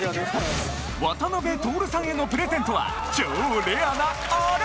渡辺徹さんへのプレゼントは超レアなあれ！